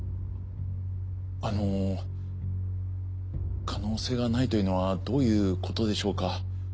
あのう可能性がないというのはどういうことでしょうか。